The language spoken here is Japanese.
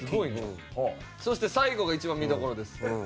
そして最後が一番見どころです。